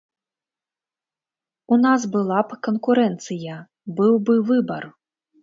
У нас была б канкурэнцыя, быў бы выбар.